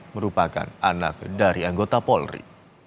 merupakan anak dari anggota polri